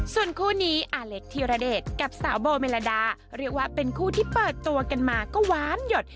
ส่วนคู่นี้อาเล็กธีรเดชกับสาวโบเมลดาเรียกว่าเป็นคู่ที่เปิดตัวกันมาก็หวานหยด